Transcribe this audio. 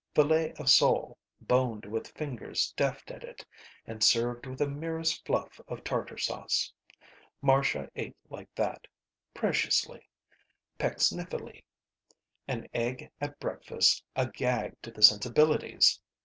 Filet of sole boned with fingers deft at it and served with a merest fluff of tartar sauce. Marcia ate like that. Preciously. Pecksniffily. An egg at breakfast a gag to the sensibilities!